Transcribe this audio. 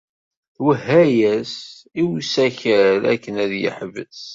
Twehha-as i usakal akken ad yeḥbes.